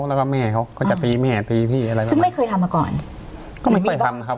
แล้วก็แม่เขาก็จะตีแม่ตีพี่อะไรด้วยซึ่งไม่เคยทำมาก่อนก็ไม่เคยทำครับ